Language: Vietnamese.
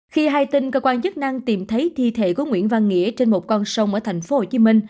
khi hài tình cơ quan chức năng tìm thấy thi thể của nguyễn văn nghĩa trên một con sông ở tp hcm